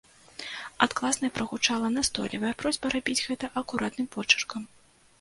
Ад класнай прагучала настойлівая просьба рабіць гэта акуратным почыркам.